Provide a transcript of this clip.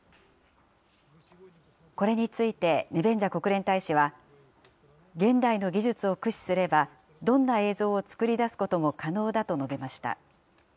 これについて、ネベンジャ国連大使は、現代の技術を駆使すれば、どんな映像を作り出すことも可能だと述べました。